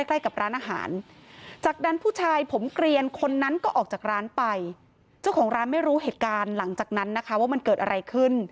ใกล้กับร้านอาหารจากนั้นผู้ชายผมเกลียนคนนั้นก็ออกจากร้านไปเจ้าของร้านไม่รู้เหตุการณ์หลังจากนั้นนะคะว่ามันเกิดอะไรขึ้น